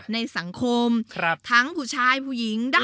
ในสังคมทั้งผู้ชายผู้หญิง